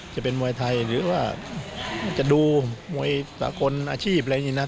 จะเป็นมวยไทยหรือว่าจะดูมวยสากลอาชีพอะไรอย่างนี้นะ